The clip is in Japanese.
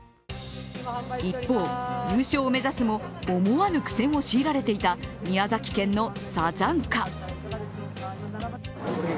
一方、優勝を目指すも思わぬ苦戦を強いられていた宮崎県のＳＡＺＡＮＫＡ。